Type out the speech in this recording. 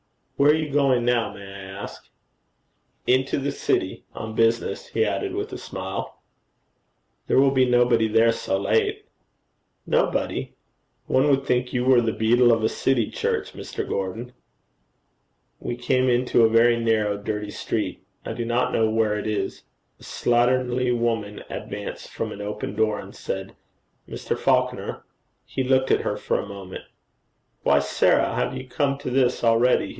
'Where are you going now, may I ask?' 'Into the city on business,' he added with a smile. 'There will be nobody there so late.' 'Nobody! One would think you were the beadle of a city church, Mr. Gordon.' We came into a very narrow, dirty street. I do not know where it is. A slatternly woman advanced from an open door, and said, 'Mr. Falconer.' He looked at her for a moment. 'Why, Sarah, have you come to this already?'